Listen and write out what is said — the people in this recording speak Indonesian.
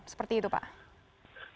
seperti itu pak